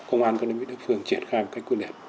công an công an mỹ đức phương triển khai